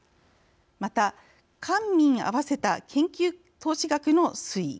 また、官民合わせた研究投資額の推移